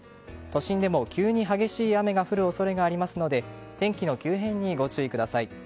都心でも急に激しい雨が降る恐れがありますので天気の急変にご注意ください。